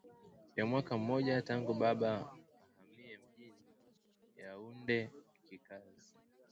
ya mwaka mmoja tangu baba ahamie mjini Yaounde kikazi